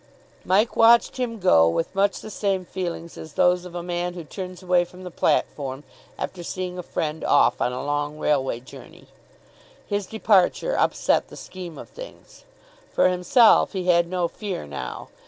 Mike watched him go with much the same feelings as those of a man who turns away from the platform after seeing a friend off on a long railway journey. His departure upset the scheme of things. For himself he had no fear now.